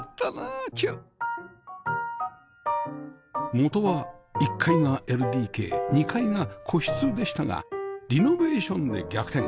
元は１階が ＬＤＫ２ 階が個室でしたがリノベーションで逆転